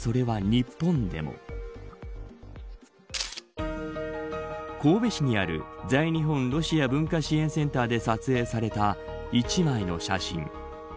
日本ロシア文化支援センターで撮影された１枚の写真。